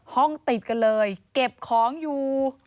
ห้องติดกันเลยเก็บของอยู่